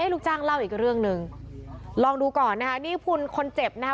ลูกจ้างเล่าอีกเรื่องหนึ่งลองดูก่อนนะคะนี่คุณคนเจ็บนะคะ